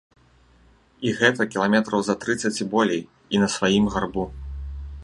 І гэта кіламетраў за трыццаць і болей, і на сваім гарбу.